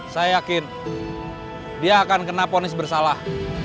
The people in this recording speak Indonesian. saya yakin dia akan kena ponis bersalah